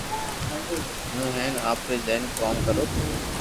ھون ھين آپري جائين ڪوم ڪرو